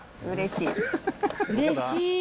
うれしい。